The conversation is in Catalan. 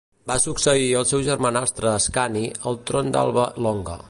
Va succeir el seu germanastre Ascani al tron d'Alba Longa.